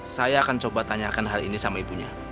saya akan coba tanyakan hal ini sama ibunya